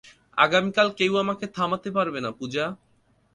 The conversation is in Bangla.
আগামীকাল কেউ আমাকে, থামাতে পারবে না, পূজা।